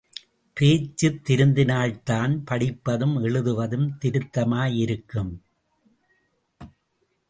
பேச்சு திருந்தினால்தான், படிப்பதும் எழுதுவதும் திருத்தமாயிருக்கும்.